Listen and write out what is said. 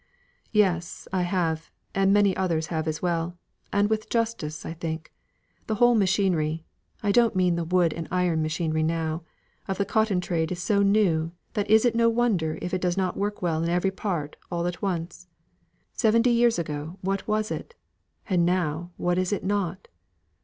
"Yes, I have; and many others have as well. And with justice, I think. The whole machinery I don't mean the wood and iron machinery now of the cotton trade is so new that it is no wonder if it does not work well in every part all at once. Seventy years ago what was it? And now what it is not?